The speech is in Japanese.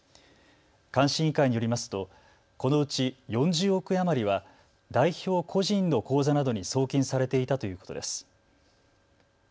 監視委員会によりますとこのうち４０億円余りは代表個人の口座などに送金されていたということです。